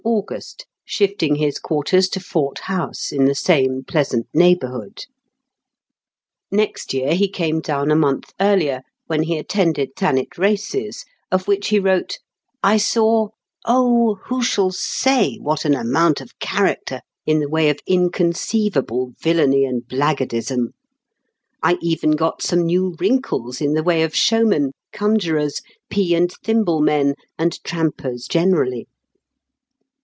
August, shifting his quarters to Fort House, in the same pleasant neighbourhood. Next year he came down a month earlier, when he attended Thanet races, of which he wrote :" I saw — oh, who shall say what an amount of character in the way of inconceivable villainy and blackguardism 1 I even got some new wrinkles in the way of showmen, con jurors, pea and thimble men, and trampers generally."